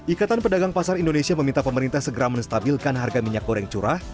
ikatan pedagang pasar indonesia meminta pemerintah segera menstabilkan harga minyak goreng curah